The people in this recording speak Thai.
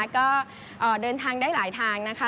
ก็เดินทางได้หลายทางนะคะ